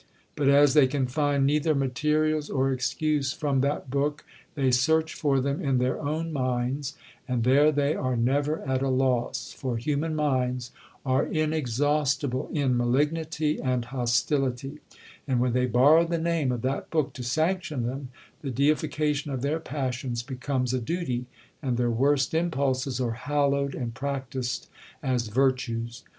But as they can find neither materials or excuse from that book, they search for them in their own minds,—and there they are never at a loss, for human minds are inexhaustible in malignity and hostility; and when they borrow the name of that book to sanction them, the deification of their passions becomes a duty, and their worst impulses are hallowed and practised as virtues.'